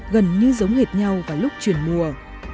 gần như giống hệt nhau vào lúc chuyển mùa